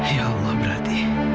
ya allah berarti